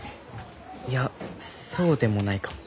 いやそうでもないかも。